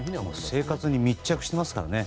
生活に密着していますからね。